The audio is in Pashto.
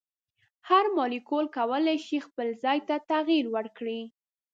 هر مالیکول کولی شي خپل ځای ته تغیر ورکړي.